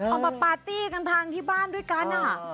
มาปาร์ตี้กันทางที่บ้านด้วยกัน